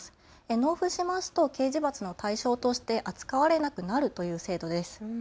納付しますと刑事罰の対象として扱われなくなるという制度です。